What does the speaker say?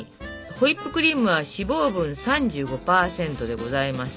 ホイップクリームは脂肪分３５％でございます。